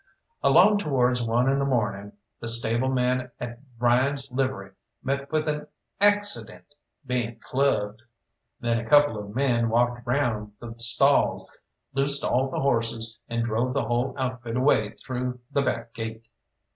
Along towards one in the morning the stable man at Ryan's livery met with an accident, being clubbed. Then a couple of men walked round the stalls, loosed all the horses, and drove the whole outfit away through the back gate.